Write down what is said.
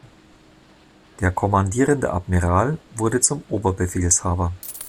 Der Kommandierende Admiral wurde zum Oberbefehlshaber.